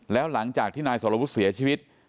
แล้วหลังจากที่นายสรวุฒิเสียชีวิต